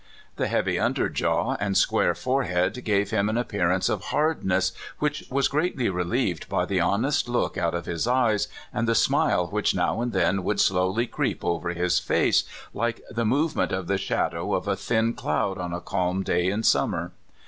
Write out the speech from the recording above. The heavy under jaw and square forehead gave him an appearance of hardness which was greatly relieved by the honest look out of his eyes, and the smile w^hich now and then would slowl}" creep over his face, like the movement of the shadow of a thin cloud on a calm day in summer.